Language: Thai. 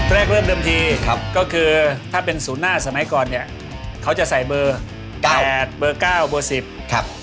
เริ่มเดิมทีครับก็คือถ้าเป็นศูนย์หน้าสมัยก่อนเนี่ยเขาจะใส่เบอร์๘เบอร์๙เบอร์๑๐ครับ